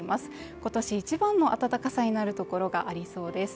今年一番の暖かさになるところがありそうです。